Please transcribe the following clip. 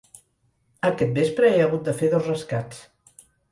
Aquest vespre he hagut de fer dos rescats.